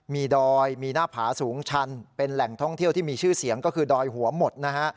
ดอยมีหน้าผาสูงชันเป็นแหล่งท่องเที่ยวที่มีชื่อเสียงก็คือดอยหัวหมดนะฮะ